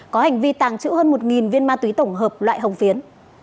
có hành vi tàng trữ hơn một viên ma túy tổng hợp loại hồng phiến